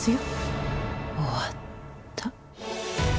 終わった。